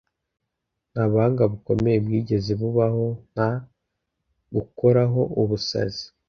nta buhanga bukomeye bwigeze bubaho nta gukoraho ubusazi